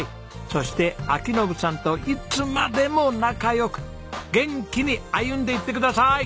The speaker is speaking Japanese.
そして章伸さんといつまでも仲良く元気に歩んでいってください！